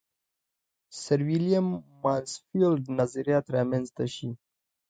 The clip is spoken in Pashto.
سرویلیم مانسفیلډ نظریات را منځته شي.